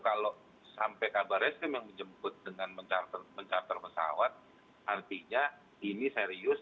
kalau sampai kabar eskrim yang menjemput dengan mencater pesawat artinya ini serius